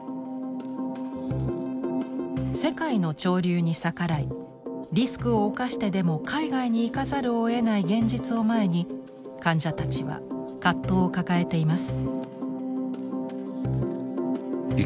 世界の潮流に逆らいリスクを冒してでも海外に行かざるをえない現実を前に患者たちは葛藤を抱えています。